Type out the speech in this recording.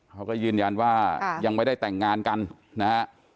เขาก็ยืนยันว่ายังไม่ได้แต่งงานกันนะฮะ